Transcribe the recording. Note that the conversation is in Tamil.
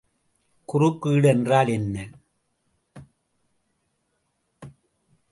குறுக்கீடு என்றால் என்ன?